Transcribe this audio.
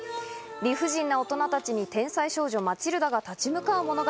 理不尽な大人たちに天才少女・マチルダが立ち向かう物語。